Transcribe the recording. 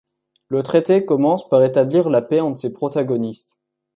Le traité commence par établir la paix entre ces protagonistes.